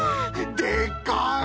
でっかい！